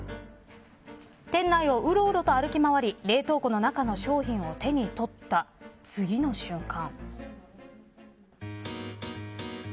都内をうろうりと歩き回り冷蔵庫の中の商品を手に取った次の瞬間。